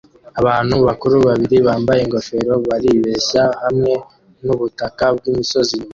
Abantu bakuru babiri bambaye ingofero baribeshya hamwe nubutaka bwimisozi inyuma